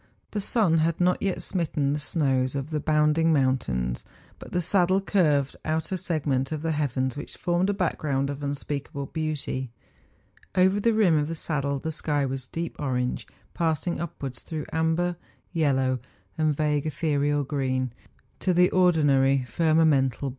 The sun had not yet smitten the snows of the bounding moun¬ tains; but the saddle curved out a segment of the heavens which formed a background of unspeakable beauty. Over the rim of the saddle the sky was deep orange passing upwards through amber, yellow, and vague ethereal green to the ordinary firmamental 40 MOUNTAIN ADVENTURES.